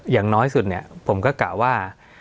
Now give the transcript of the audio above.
อย่างน้อยสุดผมก็กะว่า